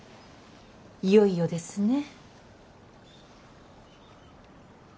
いよいよですね。